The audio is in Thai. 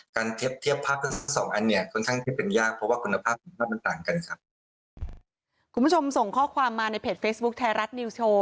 คุณผู้ชมส่งข้อความมาในเพจเฟซบุ๊คไทยรัฐนิวสโว